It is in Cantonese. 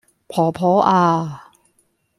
婆婆呀......